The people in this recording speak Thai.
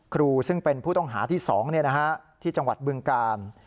ครูซึ่งเป็นผู้ต้องหาที่๒ที่จังหวัดบึงกาล